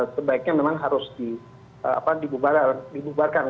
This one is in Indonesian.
sebaiknya memang harus dibubarkan